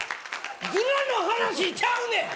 ヅラの話ちゃうねん！